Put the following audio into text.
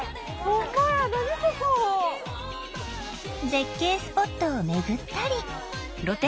絶景スポットを巡ったり。